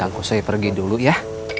tangguh soi pergi dulu ya